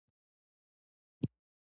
د ماتونو هڅه هم کړې ده